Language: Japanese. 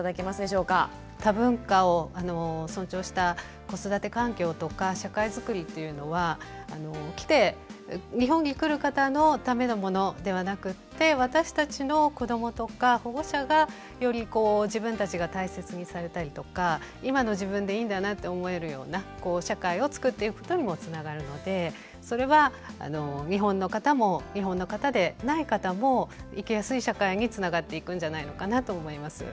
多文化を尊重した子育て環境とか社会づくりっていうのは来て日本に来る方のためのものではなくって私たちの子どもとか保護者がより自分たちが大切にされたりとか今の自分でいいんだなって思えるような社会をつくっていくことにもつながるのでそれは日本の方も日本の方でない方も生きやすい社会につながっていくんじゃないのかなと思います。